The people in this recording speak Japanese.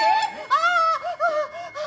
ああ。